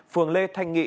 phường lê thanh nghị